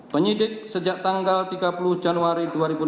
penyidik sejak tanggal tiga puluh januari dua ribu enam belas